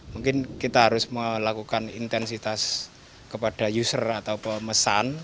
mungkin kita harus melakukan intensitas kepada user atau pemesan